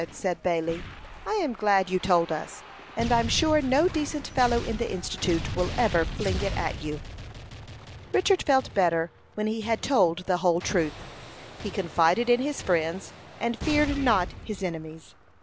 said Bailey. "I am glad you told us; and I'm sure no decent fellow in the Institute will ever fling it at you." Richard felt better when he had told the whole truth. He confided in his friends, and feared not his enemies.